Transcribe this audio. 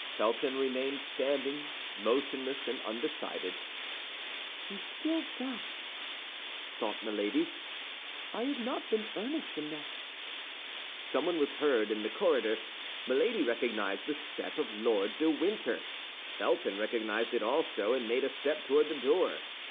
Felton remained standing, motionless and undecided. "He still doubts," thought Milady; "I have not been earnest enough." Someone was heard in the corridor; Milady recognized the step of Lord de Winter. Felton recognized it also, and made a step toward the door.